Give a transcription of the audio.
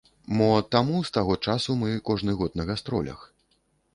Мо, таму з таго часу мы кожны год на гастролях?